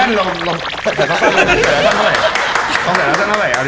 เอาก็บอกเขาจะนึกย่างไหร่